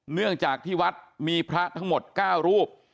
เนื่องจากที่วัดมีพระทั้งหมด๙รูป